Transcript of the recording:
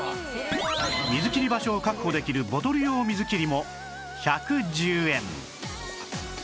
水切り場所を確保できるボトル用水切りも１１０円